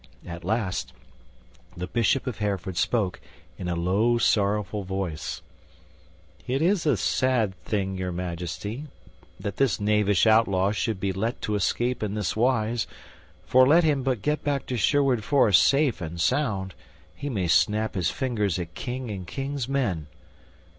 At last the Bishop of Hereford spoke, in a low, sorrowful voice: "It is a sad thing, Your Majesty, that this knavish outlaw should be let to escape in this wise; for, let him but get back to Sherwood Forest safe and sound, and he may snap his fingers at king and king's men."